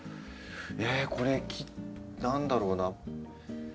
ええこれ何だろうな。